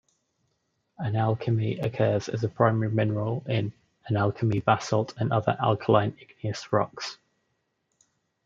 Analcime occurs as a primary mineral in analcime basalt and other alkaline igneous rocks.